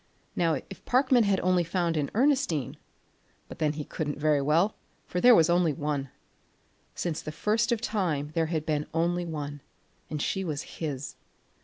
Now if Parkman had only found an Ernestine but then he couldn't very well, for there was only one! Since the first of time, there had been only one and she was his!